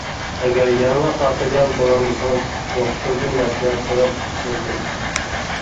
ئەگەر يەنىلا خاتىرجەم بولالمىسىڭىز دوختۇردىن مەسلىھەت سوراپ باقسىڭىز بولىدۇ.